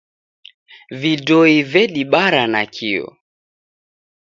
Vidoi vedibara nakio.